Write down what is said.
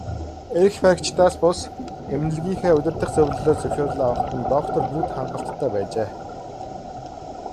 Эрх баригчдаас бус, эмнэлгийнхээ удирдах зөвлөлөөс зөвшөөрөл авах нь л доктор Вүд хангалттай байжээ.